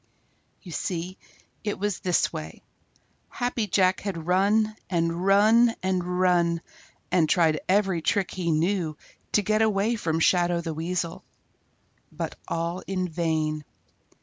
You see, it was this way: Happy Jack had run and run and run and tried every trick he knew to get away from Shadow the Weasel, but all in vain.